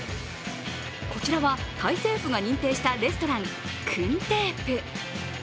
こちらは、タイ政府が認定したレストラン、クンテープ。